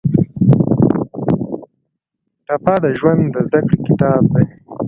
ټپه د ژوند د زده کړې کتاب دی.